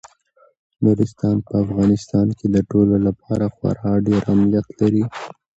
نورستان په افغانستان کې د ټولو لپاره خورا ډېر اهمیت لري.